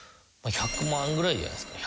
１００万ぐらいじゃないですか？